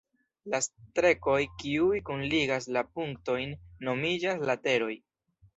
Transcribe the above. La strekoj, kiuj kunligas la punktojn, nomiĝas lateroj.